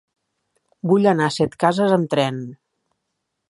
Vull anar a Setcases amb tren.